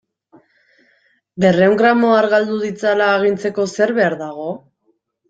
Berrehun gramo argaldu ditzala agintzeko zer behar dago?